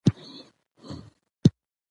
سیمینار ته ورتګ زموږ یو هدف و.